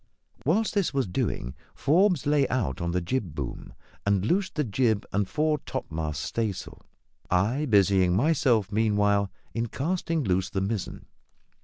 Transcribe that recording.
While this was doing, Forbes lay out upon the jib boom and loosed the jib and fore topmast staysail, I busying myself, meanwhile, in casting loose the mizzen.